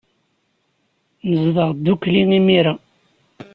Nezdeɣ ddukkli imir-a.